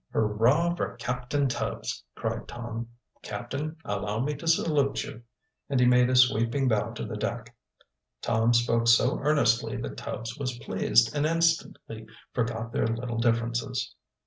"Hurrah for Captain Tubbs!" cried Tom. "Captain, allow me to salute you," and he made a sweeping bow to the deck. Tom spoke so earnestly that Tubbs was pleased, and instantly forgot their little differences.